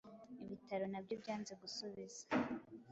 ibitaro nabyo byanze gusubiza,